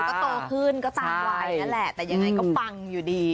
ก็โตขึ้นก็ตามวัยนั่นแหละแต่ยังไงก็ปังอยู่ดี